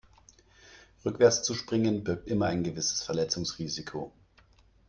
Rückwärts zu springen birgt immer ein gewisses Verletzungsrisiko.